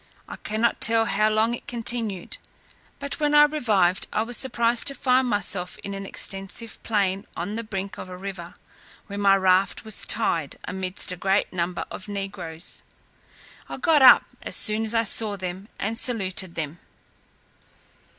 I cannot tell how long it continued; but when I revived, I was surprised to find myself in an extensive plain on the brink of a river, where my raft was tied, amidst a great number of negroes. I got up as soon as I saw them, and saluted them.